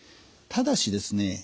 ただしですね